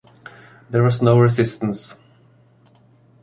There was no resistance.